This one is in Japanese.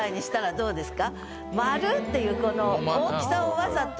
どうですか？